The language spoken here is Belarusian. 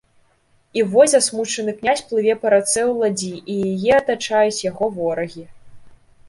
І вось засмучаны князь плыве па рацэ ў ладдзі, і яе атачаюць яго ворагі.